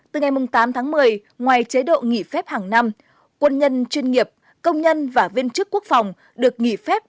từ ngày tám tháng một mươi ngoài chế độ nghỉ phép hàng năm quân nhân chuyên nghiệp công nhân và viên chức quốc phòng được nghỉ phép